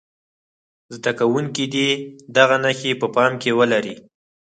زده کوونکي دې دغه نښې په پام کې ولري.